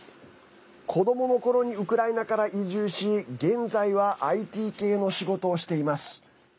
子どものころにウクライナから移住し現在はＩＴ系の仕事をしています。